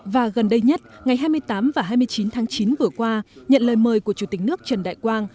và gần đây nhất ngày hai mươi tám và hai mươi chín tháng chín vừa qua nhận lời mời của chủ tịch nước trần đại quang